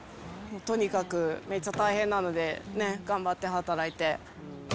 とにかくめっちゃ大変なので、ね、頑張って働いて。